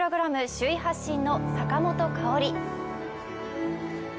首位発進の坂本花織。